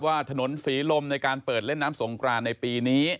ว่าถนนศรีลมในการเปิดเล่นน้ำสงกรานในปีนี้